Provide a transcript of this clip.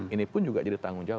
ini pun juga jadi tanggung jawab